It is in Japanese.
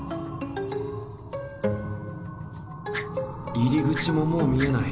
入り口ももう見えない。